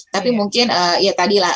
tapi mungkin ya tadi lah